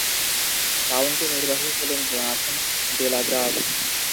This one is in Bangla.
কাউন্টি নির্বাহী হলেন জোনাথন ডেলাগ্রাভ।